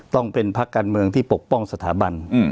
ต้องเป็นพักการเมืองที่ปกป้องสถาบัน